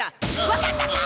分かったか！